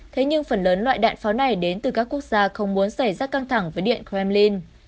thế nhưng phần lớn loại đạn pháo này đến từ các quốc gia không muốn xảy ra căng thẳng với điện kremlin